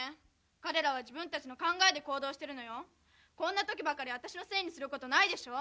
彼らは自分達の考えで行動してるのよこんな時ばっかり私のせいにすることないでしょ